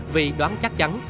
vì đoán chắc chắn